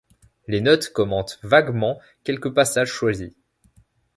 Les notes commentent vaguement quelques passages choisis.